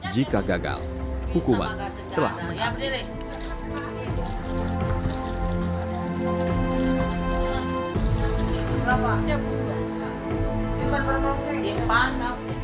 jika gagal hukuman telah menang